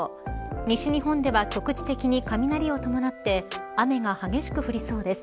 西日本では局地的に雷を伴って雨が激しく降りそうです。